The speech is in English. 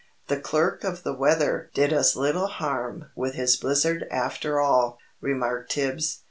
"The Clerk of the Weather did us little harm with his blizzard after all," remarked Tibbs.